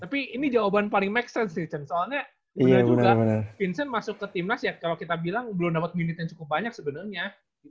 tapi ini jawaban paling make sense nih cenz soalnya bener juga vincent masuk ke timnas ya kalo kita bilang belum dapet unit yang cukup banyak sebenernya